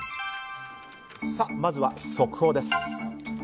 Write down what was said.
まずは速報です。